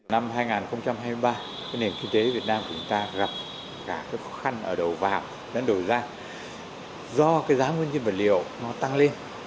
năm hai nghìn hai mươi ba nền kinh tế việt nam của chúng ta gặp cả các khó khăn ở đầu và hạm đã đổi ra do giá nguyên liệu tăng lên